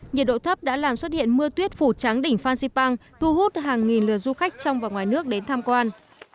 nhiệt độ thấp đã làm xuất hiện mưa tuyết phù trắng đỉnh phan xipang thu hút hàng nghìn lượt du khách trong và ngoài nước đến tham quan